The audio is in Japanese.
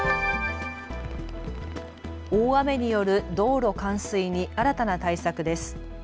大雨による道路冠水に新たな対策です。